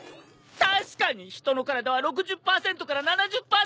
確かに人の体は６０％から７０％が水分だ！